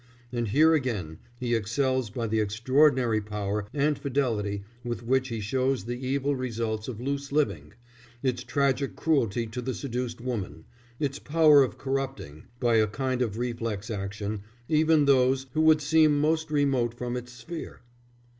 And here again he excels by the extraordinary power and fidelity with which he shows the evil results of loose living: its tragic cruelty to the seduced woman, its power of corrupting, by a kind of reflex action, even those who would seem most remote from its sphere.